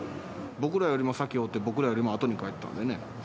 僕らよりも先におって、僕らよりもあとに帰ったんでね。